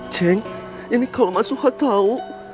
cek ini kalau mas suha tahu